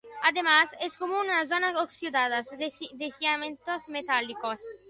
Además, es común en zonas oxidadas de yacimientos metálicos.